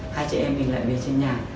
hai chị em mình lại về trên nhà